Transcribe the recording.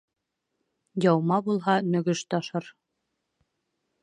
Яума булһа. Нөгөш ташыр